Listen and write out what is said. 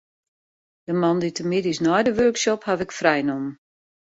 De moandeitemiddeis nei de workshop haw ik frij nommen.